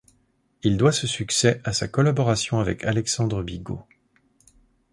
Il doit ce succès à sa collaboration avec Alexandre Bigot.